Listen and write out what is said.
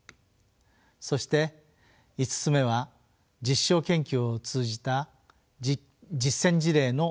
そして５つ目は実証研究を通じた実践事例の蓄積です。